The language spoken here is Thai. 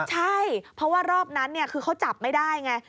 ใช่เพราะว่ารอบนั้นคือเขาจับไม่ได้ไง